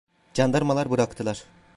Candarmalar bıraktılar.